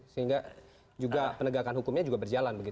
sehingga juga penegakan hukumnya juga berjalan